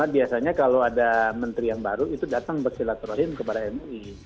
biasanya kalau ada menteri yang baru itu datang bersilaturahim kepada mui